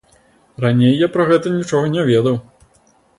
Раней я пра гэта нічога не ведаў.